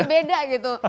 jadi beda gitu